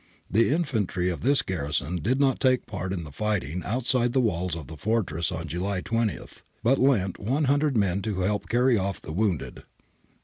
The infantry of this garrison did not take part in the fighting outside the walls of the fortress on July 20, but lent 100 men to help carry off the wounded {Palmieri, 45).